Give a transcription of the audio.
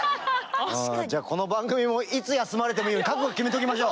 じゃあこの番組もいつ休まれてもいいように覚悟決めときましょう。